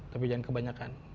tapi jangan kebanyakan